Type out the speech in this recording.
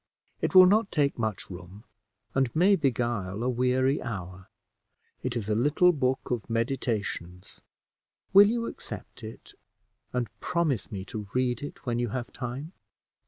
It will not take much room, and may beguile a weary hour. It is a little book of meditations. Will you accept it, and promise me to read it when you have time?"